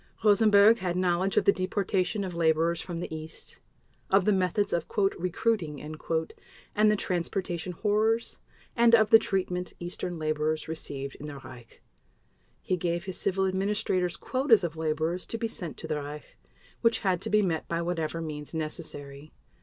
Rosenberg had knowledge of the deportation of laborers from the East, of the methods of "recruiting" and the transportation horrors, and of the treatment Eastern laborers received in the Reich. He gave his civil administrators quotas of laborers to be sent to the Reich, which had to be met by whatever means necessary.